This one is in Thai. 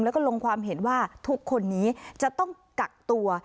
แล้วก็ลงความเห็นว่าทุกคนนี้จะต้องกักตัว